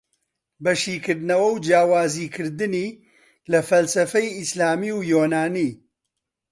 بە شیکردنەوەو جیاوزی کردنی لە فەلسەفەی ئیسلامی و یۆنانی